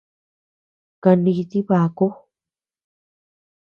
Kaníti baku.